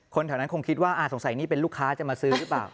แถวนั้นคงคิดว่าสงสัยนี่เป็นลูกค้าจะมาซื้อหรือเปล่า